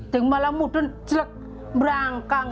dan malah mudah jelek merangkang